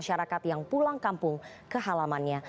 masyarakat yang pulang kampung ke halamannya